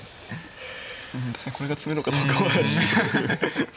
うん確かにこれが詰めろかどうかは怪しい。